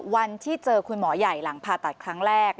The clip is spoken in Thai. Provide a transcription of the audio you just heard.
วันที่เจอคุณหมอใหญ่หลังผ่าตัดครั้งแรก